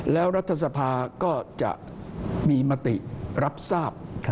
แล้วรัฐสภาก็จะมีมติรับทราบ